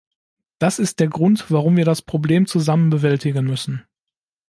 Das ist der Grund, warum wir das Problem zusammen bewältigen müssen.